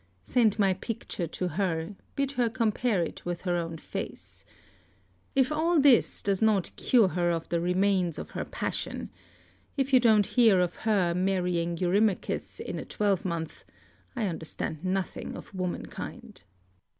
Send my picture to her, bid her compare it with her own face. If all this does not cure her of the remains of her passion, if you don't hear of her marrying Eurymachus in a twelvemonth, I understand nothing of womankind.